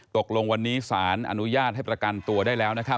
ตกลงวันนี้สารอนุญาตให้ประกันตัวได้แล้วนะครับ